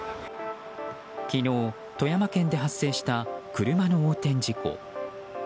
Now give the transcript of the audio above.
昨日、富山県で発生した車の横転事故。